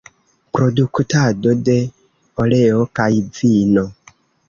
Produktado de oleo kaj vino.